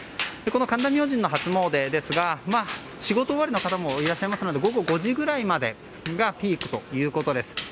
神田明神の初詣ですが仕事終わりの方もいらっしゃいますので午後５時くらいまでがピークということです。